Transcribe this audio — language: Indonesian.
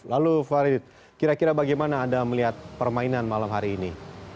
lalu farid kira kira bagaimana anda melihat permainan malam hari ini